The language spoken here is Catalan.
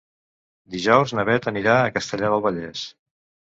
Dijous na Beth anirà a Castellar del Vallès.